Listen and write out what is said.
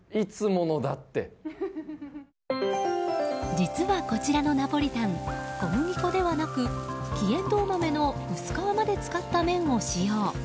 実はこちらのナポリタン小麦粉ではなく黄えんどう豆の薄皮まで使った麺を使用。